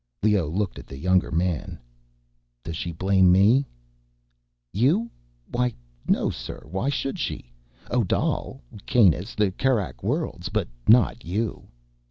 Leoh looked at the younger man. "Does she blame ... me?" "You? Why, no, sir. Why should she? Odal ... Kanus ... the Kerak Worlds. But not you."